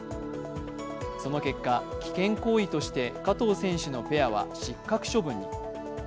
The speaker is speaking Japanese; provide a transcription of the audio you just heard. その結果、危険行為として加藤選手のペアは失格処分に。